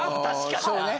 あそうね。